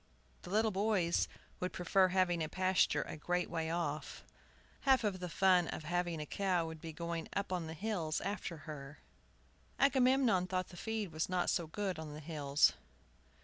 The little boys would prefer having the pasture a great way off. Half the fun of having a cow would be going up on the hills after her. Agamemnon thought the feed was not so good on the hills.